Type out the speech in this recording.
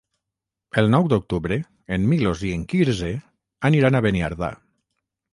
El nou d'octubre en Milos i en Quirze aniran a Beniardà.